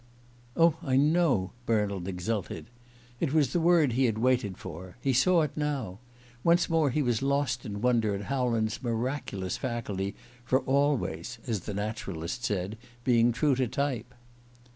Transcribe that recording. "Oh, I know," Bernald exulted. It was the word he had waited for he saw it now! Once more he was lost in wonder at Howland's miraculous faculty for always, as the naturalists said, being true to type.